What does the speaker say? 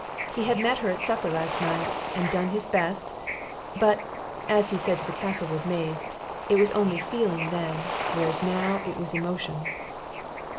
He had met her at supper last night, and done his best; but (as he said to the Castlewood maids) it was only feeling then, whereas now it was emoshun.